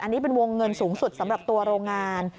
อันนี้เป็นวงเงินสูงสุดสำหรับตัวโรงงาน